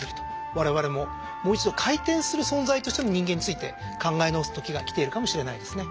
我々ももう一度回転する存在としての人間について考え直す時が来ているかもしれないですね。